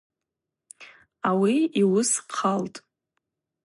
Ауи йуыс хъалтӏ.